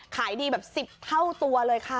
ขายดีแบบ๑๐เท่าตัวเลยค่ะ